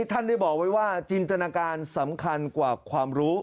ท่านได้บอกไว้ว่าจินตนาการสำคัญกว่าความรู้